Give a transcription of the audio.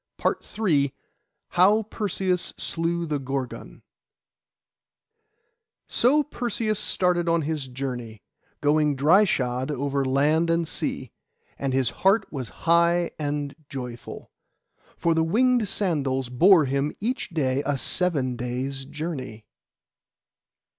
PART III HOW PERSEUS SLEW THE GORGON So Perseus started on his journey, going dry shod over land and sea; and his heart was high and joyful, for the winged sandals bore him each day a seven days' journey.